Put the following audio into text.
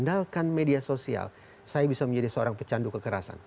andalkan media sosial saya bisa menjadi seorang pecandu kekerasan